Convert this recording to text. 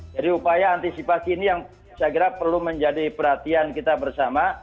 jadi upaya antisipasi ini yang saya kira perlu menjadi perhatian kita bersama